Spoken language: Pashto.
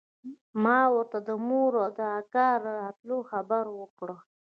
ما ورته د مور او د اکا د راتلو خبره وکړه.